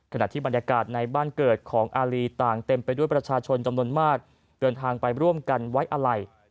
ขณะที่บรรยากาศในบ้านเกิดของอารีต่างเต็มไปด้วยประชาชนจำนวนมากเดินทางไปร่วมกันไว้อะไร